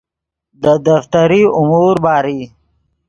دے دفتری امور باری